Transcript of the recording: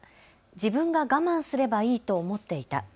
自分が我慢すればいいと思っていた。